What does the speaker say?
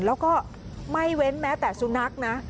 แล้วก็ไม่เว้นแม้แต่สุนัขนะ